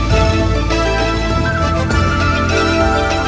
โชว์สี่ภาคจากอัลคาซ่าครับ